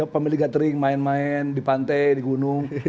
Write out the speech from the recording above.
pemilih gathering main main di pantai di gunung